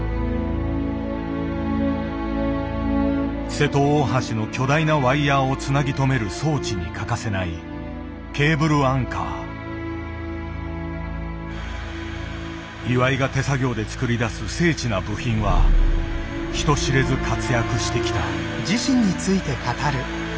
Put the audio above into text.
瀬戸大橋の巨大なワイヤーをつなぎ止める装置に欠かせない岩井が手作業で作り出す精緻な部品は人知れず活躍してきた。